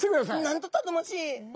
なんと頼もしい！